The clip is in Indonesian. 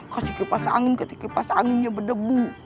kasih kipas angin kipas anginnya berdebu